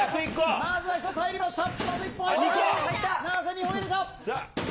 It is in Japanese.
まずは１つ入りました。